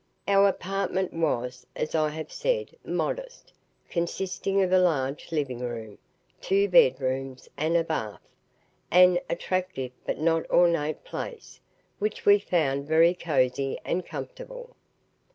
Our apartment was, as I have said, modest, consisting of a large living room, two bedrooms, and bath an attractive but not ornate place, which we found very cosy and comfortable.